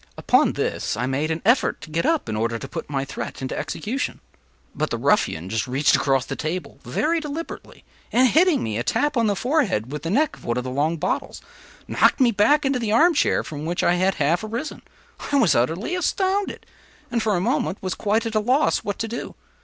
Upon this I made an effort to get up, in order to put my threat into execution; but the ruffian just reached across the table very deliberately, and hitting me a tap on the forehead with the neck of one of the long bottles, knocked me back into the arm chair from which I had half arisen. I was utterly astounded; and, for a moment, was quite at a loss what to do.